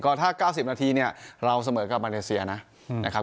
ก็ถ้าเก้าสิบนาทีเนี้ยเราเสมอกับมาเลเซียนะอืมนะครับ